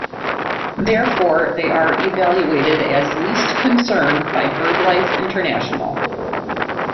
Therefore, they are evaluated as least concern by BirdLife International.